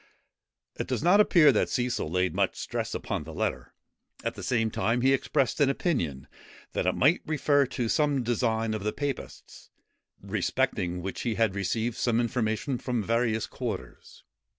It does not appear that Cecil laid much stress upon the letter; at the same time he expressed an opinion, that it might refer to some design of the papists, respecting which he had received some information from various quarters.